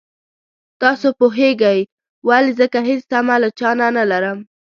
تاسو پوهېږئ ولې ځکه هېڅ تمه له چا نه لرم.